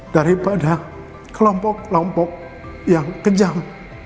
daripada kelompok kelompok yang kejam